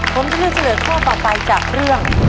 ผมจะเลือกเฉลยข้อต่อไปจากเรื่อง